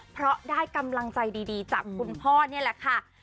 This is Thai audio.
เพราะได้กำลังใจดีจากคุณพ่อนี่แหละค่ะ